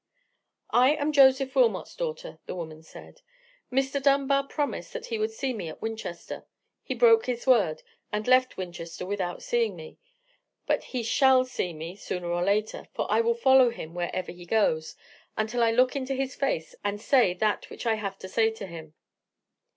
"I am Joseph Wilmot's daughter," the woman said. "Mr. Dunbar promised that he would see me at Winchester: he broke his word, and left Winchester without seeing me: but he shall see me, sooner or later; for I will follow him wherever he goes, until I look into his face, and say that which I have to say to him."